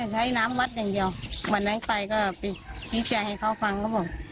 ใช้น้ำวัดอย่างเดียววันนั้นไปก็ไปวิจัยให้เขาฟังเขาบอก